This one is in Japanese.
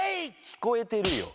聞こえてるよ！